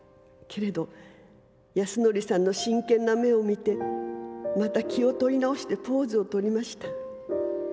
けれど安典さんの真剣な眼をみてまた気をとりなおしてポーズをとりました。